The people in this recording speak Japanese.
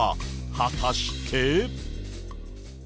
果たして？